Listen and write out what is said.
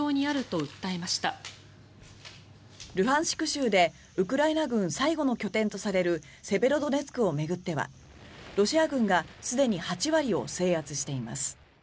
州でウクライナ軍最後の拠点とされるセベロドネツクを巡ってはロシア軍がすでに８割を制圧しています。